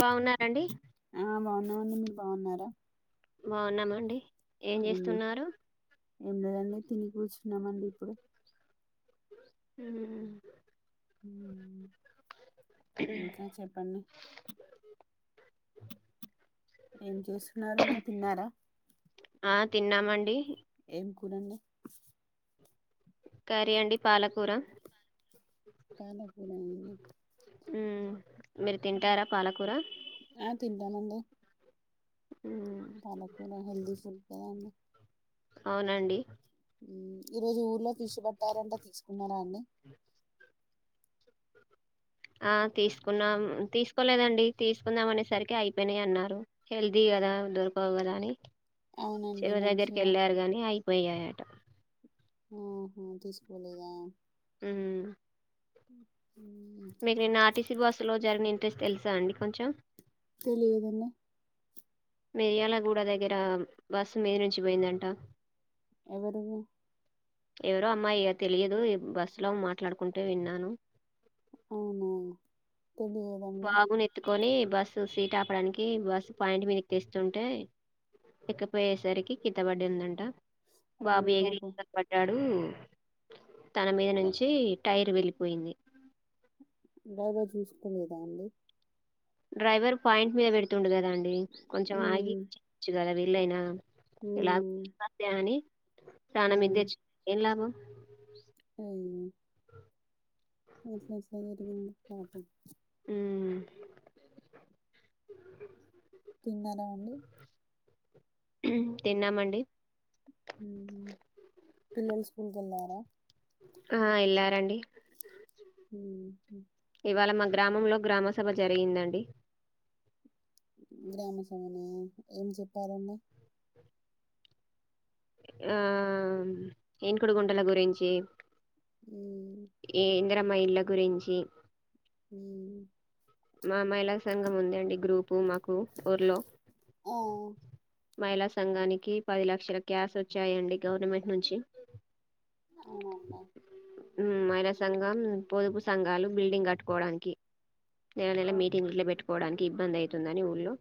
బాగున్నారా అండి ఆ బాగున్నామండి మీరు బాగున్నారా బాగున్నామండి ఏం చేస్తున్నారు ఏం లేదండి తిని కూర్చున్నామండి ఇప్పుడు ఉమ్ ఉమ్ ఇంకా చెప్పండి ఏం చేస్తున్నారు ఇంకా తిన్నారా ఆ తిన్నామండి ఏం కూరండి కరి అండి పాలకూర పాలకురా అండి ఉమ్ మీరు తింటారా పాలకూర తింటానండి మ్మ్. పాలకూర హెల్దీ ఫుడ్ కదండి అవునండి ఉమ్ ఈరోజు ఊర్లో ఫిష్ పట్టారంట తీసుకున్నారా అండి ఆ తీసుకున్నాం తీసుకోలేదండి తీసుకుందాం అనేసరికి అయిపోయినయి అన్నారు హెల్దీ కదా దొరకవు కదా అని అవునండి చెరువు దగ్గరికి మంచిగా వెళ్ళారు కాని అయిపోయాయట ఉ హు తీసుకోలేదా ఉమ్ ఉమ్ మీకు నిన్న ఆర్టీసీ బస్సు లో జరిగిన ఇంటెస్ తెలుసా అండి కొంచెం తెలియదండి మిర్యాలగూడ దగ్గర బస్సు మీది నుంచి పోయిందంట ఎవరువు ఎవరో అమ్మాయి ఇగ తెలియదు ఈ బస్సులో మాట్లాడుకుంటే విన్నాను అవునా తెలియదండి బాబుని ఎత్తుకొని బస్సు సీట్ ఆపడానికి బస్సు పాయింట్ మినికి తెస్తుంటే ఎకపోయేసరికి కింద పడిందట అయ్యో బాబు ఎగరి పాపం కింద పడ్డాడు తన మీద నుంచి టైర్ వెళ్ళిపోయింది డ్రైవర్ చూసుకోలేదా అండి డ్రైవర్ పాయింట్ మీద పెడుతుండె కదాండి కొంచెం ఉమ్ ఆగియచ్చు కదా వీళ్ళైనా ఇలా ఉమ్ అని ప్రాణం మీదకు అవును తెచ్చు ఏం లాభం అట్ల ఎట్ల జరిగింది పాపం ఉమ్ తిన్నారా అండి తిన్నామండి ఉమ్ పిల్లలు స్కూల్కి వెళ్ళారా ఆ ఎల్లారండి ఉమ్ హు ఇవాళ మా గ్రామంలో గ్రామసభ జరిగిందండి గ్రామ సభనా ఏం చెప్పారండి ఆ ఇంకుడుగుంటల గురించి ఉమ్ ఈ ఇందిరమ్మ ఇండ్ల గురించి ఉమ్ మా మహిళా సంఘం ఉంది అండి గ్రూపు మాకు ఊర్లో ఆ మహిళా సంఘానికి పది లక్షల క్యాష్ వచ్చాయండి గవర్నమెంట్ నుంచి అవునండి ఉ మహిళా సంఘం పొదుపు సంఘాలు బిల్డింగ్ కట్టుకోవడానికి నెల నెల ఓకే మీటింగ్ ఇట్ల పెట్టుకోవడానికి ఇబ్బంది అవుతుందని ఊళ్ళో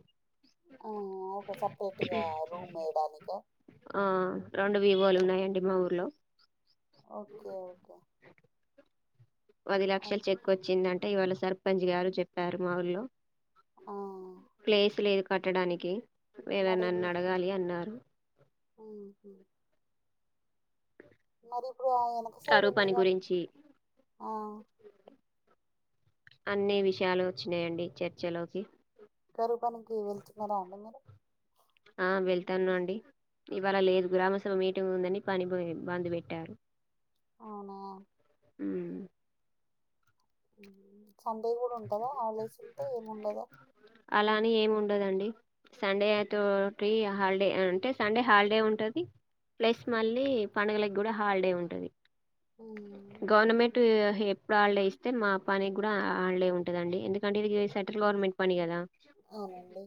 ఆ ఒక సపరేట్గా రూమ్ వేయడానిక ఆ రెండు వివోలు ఉన్నాయండి మా ఊర్లో ఓకే ఓకే పది ఆ లక్షలు చెక్ వచ్చిందంటే ఇవాళ సర్పంచ్ గారు చెప్పారు మాఊల్లో ఆ, ప్లేస్ లేదు కట్టడానికి అదైన నన్ను అడగాలి అన్నారు ఉ హు మరి ఇప్పుడు వెనక సైడ్ కరువు పని ఉందిగా గురించి ఆ అన్ని విషయాలు వచ్చినాయండి చర్చలోకి కరువు పనికి వెళ్తున్నారా అండి మీరు ఆ వెళ్తాను అండి ఇవాళ లేదు గ్రామసభ మీటింగ్ ఉందని పని బధ్ పెట్టారు అవునా ఉ సండే కూడా ఉంటుందా హాలిడేస్ ఉంటే ఏముండదా అలాని ఏమి ఉండదండి సండే తోటి హాలిడే అంటే సండే హాలిడే ఉంటది ప్లస్ మళ్ళీ పండుగలకి కూడా హాలిడే ఉంటది హ్మ్. గవర్నమెంట్ ఎప్పుడు హాలిడే ఇస్తే మా పని కూడా హాలిడే ఉంటుదండి ఎందుకంటే ఇది సెంట్రల్ గవర్నమెంట్ పని కదా అవునండి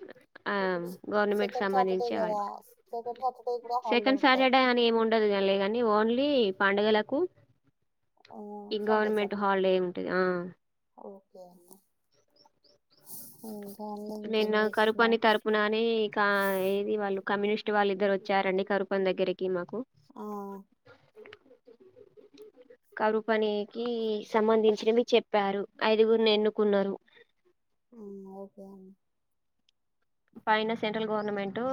సరే ఆ ఇప్పుడు సె గవర్నమెంట్ సెకండ్ సాటర్‌డే సంబంధించి గదా! హాలిడే సెకండ్ సాటర్‌డే కూడా హాలిడే సెకండ్ ఉంటాయి. సాటర్డే అని ఏమి ఉండదు లేదండి ఓన్లీ పండుగలకు ఆ! ఈ సండే, గవర్నమెంట్ సండే. హాలిడే ఉంటుది ఆ ఓకే అన్న ఉ నిన్న కరుపుని తరపునని ఇకా ఏది వాళ్ళు కమ్యూనిస్ట్ వాళ్ళ ఇద్దరు వచ్చారండి కరుపని దగ్గరికి మాకు ఆ కరు పనికి సంబంధించినవి చెప్పారు ఐదుగురుని ఎన్నుకున్నారు ఉ ఓకే అండీ పైన సెంట్రల్ గవర్నమెంటట్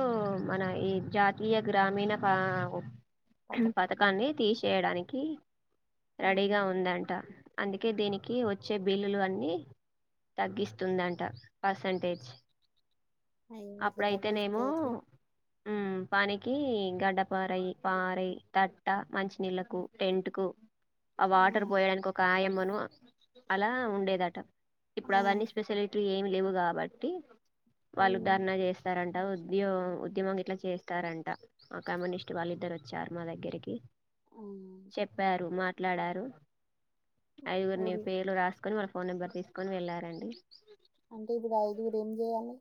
మన ఈ జాతీయ గ్రామీణ ప పథకం. పథకాన్ని తీసేయడానికి రెడీగా హ్మ్. ఉందంట అందుకే దీనికి వచ్చే బిల్లులు అన్ని తగ్గిస్తుందంట పర్సంటేజ్ అయ్యో! ఇట్లా అప్పుడైతేనేమో తగ్గిస్తే ఎట్లా? పనికి గడ్డపారై పారై తట్ట మంచినీళ్ళలకు టెంట్ కు ఆ వాటర్ పోయడానికి ఒక ఆయామ్మను అలా ఉండేదట ఆ! ఇప్పుడు అవన్నీ స్పెసిలిటీ ఏమి లేవు కాబట్టి వాళ్ళు హ్మ్. ధారణ చేస్తారంట ఉద్యో ఉద్యమం ఇట్లా చేస్తారంట ఆ కమ్యూనిస్ట్ వాళ్ళిద్దరు వచ్చారు మా దగ్గరికి హ్మ్. చెప్పారు మాట్లాడారు ఐగురిని ఓన్లీ పేర్లు రాసు ని వళ్ళ ఫోన్ నంబర్ తీకొని వెళ్లారండి అంటే ఇప్పుడు ఐదుగురు ఏం చేయ్యాలి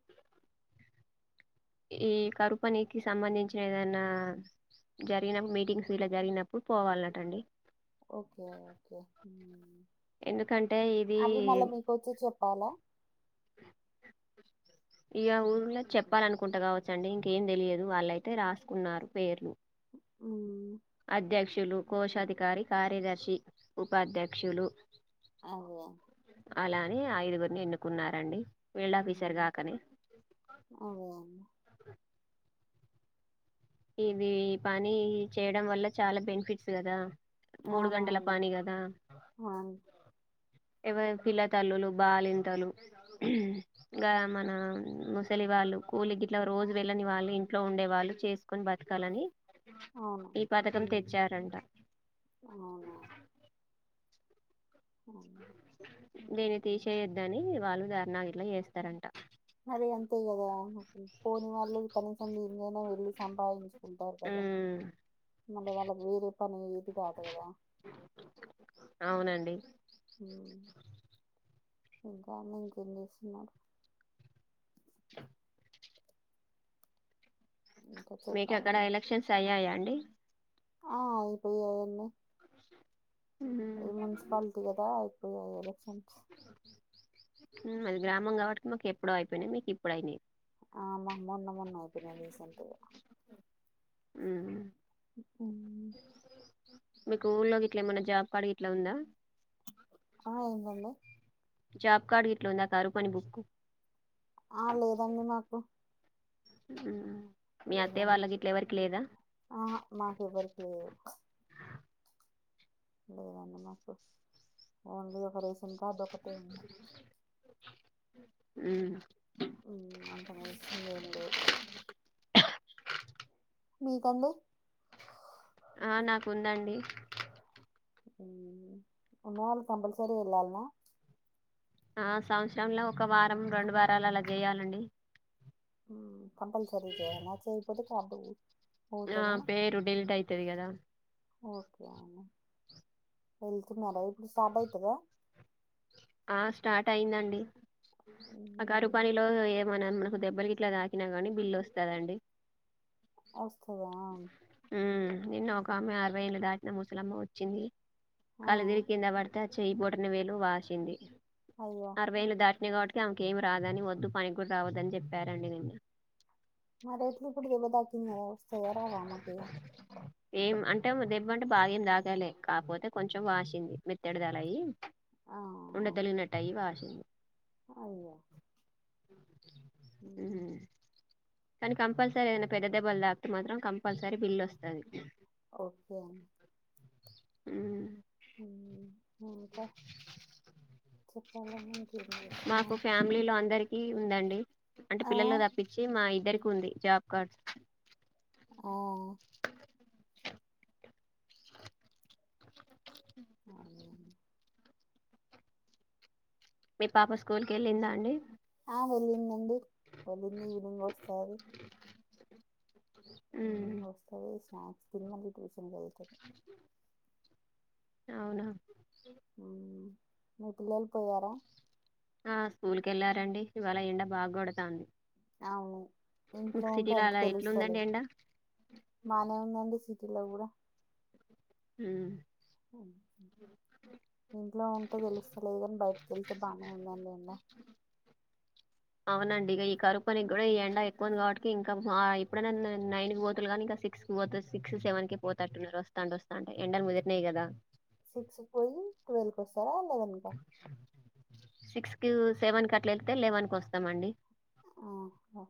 ఈ కరుపనీకిి సంబంధించిన ఏదైనా జరిగినప్పు మీటింగ్స్ ఇలా జరిగినప్పుడు పోవాలనటండి ఓకే. ఓకే. హ్మ్. ఎందుకంటే ఇది అవి మళ్ళా మీకొచ్చి చెప్పాలా? ఇగా ఊర్లో చెప్పాలనుకుంట గావచ్చ అండి. ఇంకేం తెలియదు వాళ్ళుయితే రాసుకున్నారు పేర్లు. అవును అధ్యక్షులు, కోశాధికారి, కార్యదర్శి, ఉపాధ్యక్షులు. అవ్వే అలానీ ఐదుగురిని ఎన్నుకున్నారండి. వీల్డ్ హ్మ్. ఆఫీసర్గాకనే అదే అండి. ఇవి పని చేయడం వల్ల చాలా బెనిఫిట్స్ గదా మూడు గంటల అవునవును. పని కదా అవును. ఎవర్ పిల్లతల్లులు, బాలింతలు, ఇంగ మన ముస్ లి వాళ్ళు కూలి ఇట్లా రోజు వెళ్ళని వాళ్ళ ఇంట్లో ఉండే వాళ్ళు చేసుకొని బతకాలని అవును ఈ పథకం ఉమ్ తెచ్చారంట అవునా దీన్ని తీసేయొద్ద్దని వాళ్ళు ధర్నా గిట్ల చేస్తారంట. అరే అంతే గదా. పోని వాళ్ళు కనీసం మీనైనా వెళ్ళి సంపాదించుకుంటారు కదా. ఉమ్, మల్ల వాళక్ వేరే పని ఏది కాదుగాదా అవునండి ఉహ్ ఇంకామే ఇంకేం చేస్తుంది మేడం ఇంకా మీకక్కడ చెప్పాలండి ఎలక్షన్స్ అయ్యాయా అండి? ఆ ఆయిపోయయ్యాన్నీ మ్మ్ ఈ మున్సిపాలిటీ కదా. అయిపోయాయి ఎలక్షన్స్ ఉమ్ మాది గ్రామం కాబట్టి మాక్ ఎప్పుడో అయిపోయినాయి. మీకు ఇప్పుడయినాయ్. ఆ మొ మొన్న మొన్న అయిపోయినాయ్. రీసెంట్గా ఉమ్ హు ఈర్ప్ అన్నీ మీకు ఊర్లో గిట్లా ఏమన్నా జాబ్ కార్డు గిట్లా ఉందా. ఆ అయిందాండి జాబ్ కార్డ్ గిట్లుందా కారువ్ పని బుక్కు ఆ లేదండి మాకు ఉహ్మ్ లేదాండి. ఆ హా మాకు ఎవల్కి లేదు. లేదండి మాకు. ఓన్లీ ఒక రేషన్ కార్డు ఒకటే ఉంది. హుమ్మ్ ఉమ్ అంత మంశిలేం లేదు మీ కండి ఆ నాకు ఉందండి అవునండి. ఉన్నా వాళ్లు కంపల్సరీ ఏలాల్నా ఆ సంవత్సరంలో ఒక వారం, రెండు వారాలు అలా చేయాలండి. ఉమ్ కంపల్సరి చేయల్ల్న చేయాక్పోతే కార్డు పో నా పేరు డిల్ట్ అయితది కదా. ఓకే అండి. వెళ్తున్నారా ఇప్పుడు స్టార్ట్ అయితదా. ఆ స్టార్ట్ అయిందండి. ఆ కారువ్ హ్మ్ పనిలో ఏమన్నన దెబ్బల్ గిట్లా తాకినా గానీ బిల్లు వస్తదండి. వస్తదా మ్మ్ నిన్న ఒక ఆమె అరవై ఏళ్ళు దాటిన ముసలమ్మ వచ్చింది. ఆ కళ్ళుదిరిగ్ కింద పడతే చెయ్యి బొటనవేలు వాసింది. అయ్యో! అరవై ఏళ్లు దాటినాయ్ కాబట్ ఆమెకేం రాదని వద్దు. పనికి కూడా రావద్దని చెప్పారంండి నిన్న. మరి ఎట్లిపుడు దెబ్బ తాకింది గాదా. వస్థయ రావ ఆమేకిగా ఏం అంటే దెబ్బ అంటే బాగా ఏం దాకలే కాక్పోతే కొంచెం వాసింది, మెత్తడిదల అయి ఆహా ఉండదలిగినట్టయి వాసింది అయ్యా హ్మ ఉమ్. కానీ కంపల్సరీ ఏదనా పెద్ద దెబ్బలు తాకితే మాత్రం కంపల్సరీ బిల్ వస్తుంది ఓకే అం హ్మ హ్మ ఇంకా [unintelligible] మాకు ఫ్యామిలీలో అందరికి ఉందండి అంటే ఆ పిల్లలు తప్పించి మా ఇద్దరికి ఉంది జాబ్ కార్డ్స్ ఆ అవునే మీ పాప స్కూల్ కి వెళ్ళిందా అండి ఆ వెళ్ళిందండి వెళ్ళింది ఈవినింగ్ వస్తాది ఏం ఉమ్, వస్తది స్నాక్స్ తిని మళ్ళీ ట్యూషన్కి వెళ్తుంది అవునా హ్మ మీ పిల్లలు పోయారా హా స్కూల్ కి వెళ్లారండి ఇవాళ ఎండ బాగ కొడుతుంది అవును ఇంట్లో ఉంటే అంత అలా తెలుస్తాలే ఎట్లుందండి ఎండ బానే ఉందండి సి టి లో కూడా హ్మ ఆమ్ ఇంట్లో ఉంటే తెలుస్తాలేదు కాని బయటికి వెళ్తే బాగానే ఉందండి ఏండ అవునండి ఇక ఈ కరుపు పనికి కూడా ఈ ఎండ ఎక్కువ ఉంది కాబట్టి ఇంకా ఇప్పుడ నైన్ బోతులు గానీకా న్న సిక్స్ కి పోతే సిక్స్ సెవెన్ కి పోతట్టునారు వస్తాంట వస్తాంటే ఎండ లు ముదిరినాయి కదా సిక్స్కి పోయి ట్వెల్వ్కి వస్తారా లెవెన్కా సేవన్ కి అట్లా వెళ్ళితే లేవెన్ కివస్తామండి ఆహా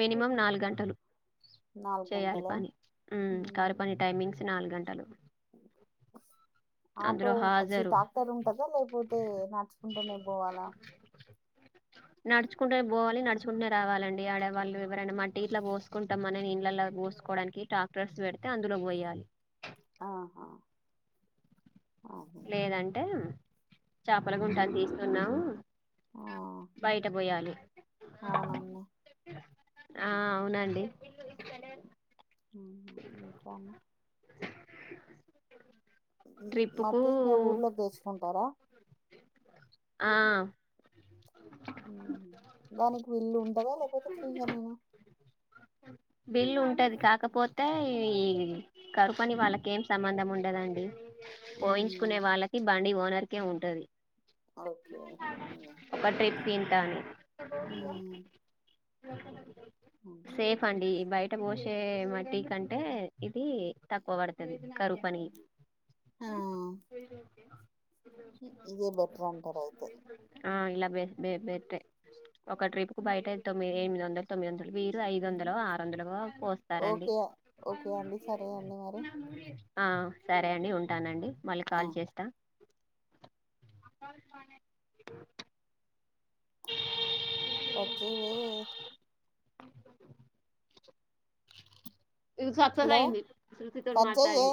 మినిమం నాలుగు గంటలు నాలుగు చెయాలి గంటలా పని హ్మ కారువ్ మ్మ్ పని టైమింగ్స్ నాలుగు గంట [inaudible] అందులో ఆటో అచ్చి హాజరు. ట్రాక్టర్ ఉంటాదా లేకపోతే నడుచుకుంటూనే పోవాలా నాడ్చ్ కుంటేనే పోవాలి నడుచుకునే రావాలండి ఆడ వాళ్ళు ఎవరైనా మట్టి ఇలా పోసుకుంటాం మనని ఇళ్లలో పోసుకోడానికి ట్రాక్టర్స్ పెడితే అందులోకి పోయాలి ఆహా అదే లేదంటే చాపల గుంట తీస్తున్నాం ఆ బయట పోయాలి అవునండి ఆ అవునండి హ్మ ఇంకాను [inaudible] ట్రిప్పు కు మట్టి ఊర్లోకి తెచ్చుకుంటారా ఆ దానికి విల్లు ఉంటదా లేకపోతే ఫ్రీగా నేన [inaudible] బిల్లు ఉంటాది కాకపోతే ఈ కరుపని వాళ్ళకి ఏం సంబంధం ఉండదండి పోయించుకునే ఉమ్, వాళ్ళకి బండి ఓనర్కే ఉంటాది ఒకే [unintelligible] వింటా సేఫ్ ఉమ్. అండి బయట పోష చే మట్టి కంటే ఇది తక్కువ పడుతాది కరువు పని [inaudible] ఆ ఇ- ఇదే బెటర్ అంటారు అయితే ఆ ఇలా బట్ట [unintelligible] ఒక ట్రిప్ కు బయటే తొమ్మిది ఎనిమిది వందలు తొమ్మిది వందలు బ ఐదు ఉమ్, వందలో ఆరు వందలో పోస్తారండి. ఓకే ఓకే అండి సరే అండి మరి ఆ సరే అండి ఉంటానండి మళ్ళీ ఆ, కాల్ చేస్తా. అకా [inaudible] పచ్చవ [unintelligible] అ [inaudible] ఇది సక్సెస్ హలో అయింది. శృతితోటి కట్ మాట్లాడింది. చెయ్యే